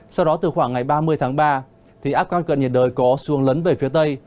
sau đó từ khoảng ngày ba mươi tháng ba thì áp cao cận nhiệt đới có xuống lấn về phía tây